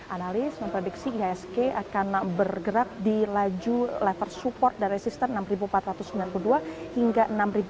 analis memprediksi ihsg akan bergerak di laju level support dan resistance enam empat ratus sembilan puluh dua hingga enam lima ratus delapan puluh lima